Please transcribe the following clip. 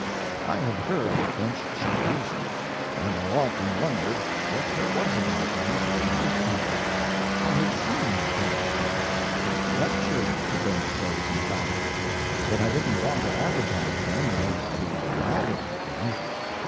I had heard of bench shows, and I often wondered what there was about them to interest people. I had seen bench shows—lectured to bench shows, in fact—but I didn't want to advertise them or to brag about them.